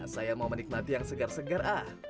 saya mau menikmati yang segar segar ah